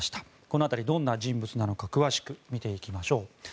この辺り、どんな人物なのか詳しく見ていきましょう。